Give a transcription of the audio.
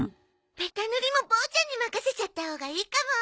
ベタ塗りもボーちゃんに任せちゃったほうがいいかも。